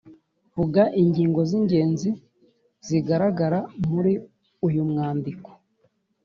vuga ingingo z’ingenzi zigaragara muri uyu mwandiko.